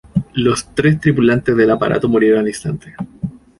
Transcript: Los tres tripulantes del aparato murieron al instante.